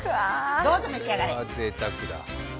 どうぞ召し上がれ。